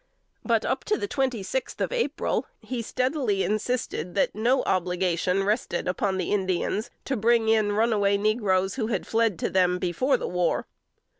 But, up to the twenty sixth of April, he steadily insisted that no obligation rested upon the Indians to bring in runaway negroes who had fled to them before the war.